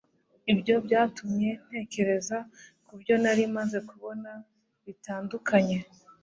ibyo byatumye ntekereza kubyo nari maze kubona bitandukanye